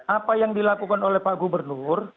apa yang dilakukan oleh pak gubernur